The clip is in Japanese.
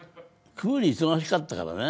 食うに忙しかったからね。